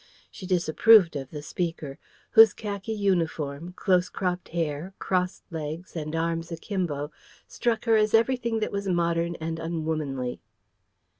She disapproved of the speaker, whose khaki uniform, close cropped hair, crossed legs, and arms a kimbo struck her as everything that was modern and unwomanly.